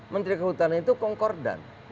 menteri kehutanan itu kongkordan